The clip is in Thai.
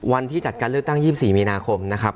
วันที่จัดการเลือกตั้ง๒๔มีนาคมนะครับ